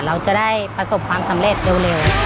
เราจะได้ประสบความสำเร็จเร็ว